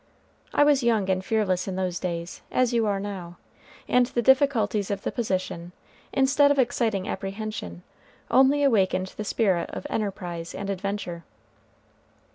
I was young and fearless in those days, as you are now, and the difficulties of the position, instead of exciting apprehension, only awakened the spirit of enterprise and adventure.